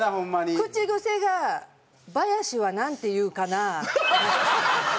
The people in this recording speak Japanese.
口癖が「バヤシはなんて言うかなぁ」。